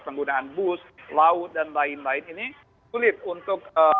penggunaan bus laut dan lain lain ini sulit untuk